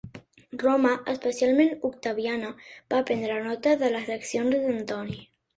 Roma, especialment Octaviana, va prendre nota de les accions d'Antoni.